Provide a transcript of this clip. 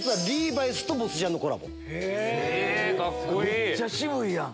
めっちゃ渋いやん。